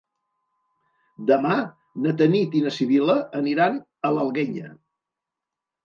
Demà na Tanit i na Sibil·la aniran a l'Alguenya.